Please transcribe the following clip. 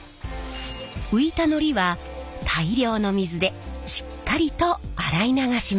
浮いたのりは大量の水でしっかりと洗い流します。